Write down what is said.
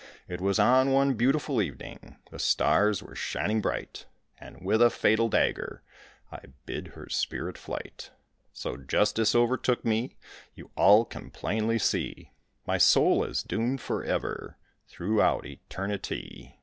It was on one beautiful evening, The stars were shining bright, And with a fatal dagger I bid her spirit flight. So justice overtook me, You all can plainly see, My soul is doomed forever Throughout eternity.